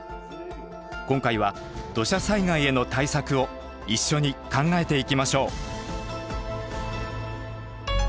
今回は土砂災害への対策を一緒に考えていきましょう。